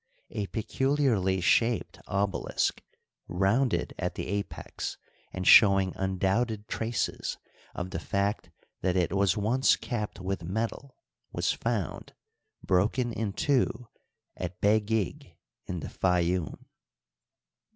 A pecul iarly shaped obelisk, rounded at the apex and showing undoubted traces of the fact that it was once capped with metal, was found, broken in two, at Beglg, in the Fayoum.